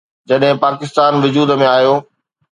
جڏهن پاڪستان وجود ۾ آيو.